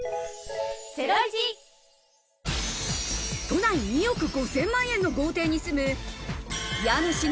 都内２億５０００万円の豪邸